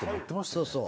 そうそう。